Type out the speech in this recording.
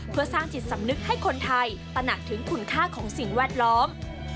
เพื่อสร้างจิตสำนึกให้คนไทยตระหนักถึงคุณค่าของสิ่งแวดล้อม